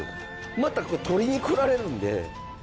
また、とりにこられるんで。